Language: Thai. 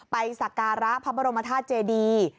สักการะพระบรมธาตุเจดี